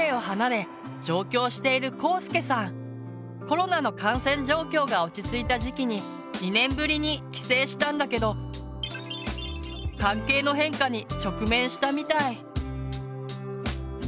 コロナの感染状況が落ち着いた時期に２年ぶりに帰省したんだけど関係の変化に直面したみたい。